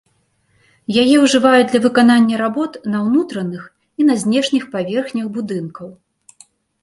Яе ўжываюць для выканання работ на ўнутраных і на знешніх паверхнях будынкаў.